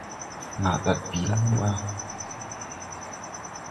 Nàa ndaɗ bìi la genla?